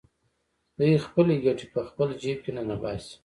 دوی خپلې ګټې په خپل جېب کې ننباسي